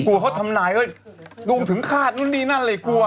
กลัวเขาทำนายดวงถึงฆาตนู่นนี่นั่นเลยกลัว